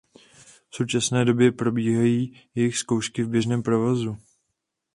V současné době probíhají jejich zkoušky v běžném provozu.